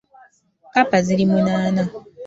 Kkapa ziri munaana .